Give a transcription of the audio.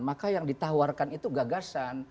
maka yang ditawarkan itu gagasan